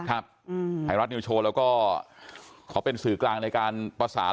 ไทยรัฐนิวโชว์แล้วก็ขอเป็นสื่อกลางในการประสาน